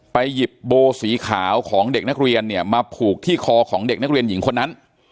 หยิบโบสีขาวของเด็กนักเรียนเนี่ยมาผูกที่คอของเด็กนักเรียนหญิงคนนั้น